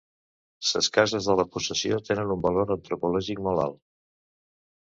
Ses cases de la Possessió tenen un valor antropològic molt alt